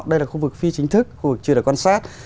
đây là khu vực phi chính thức khu vực chưa được quan sát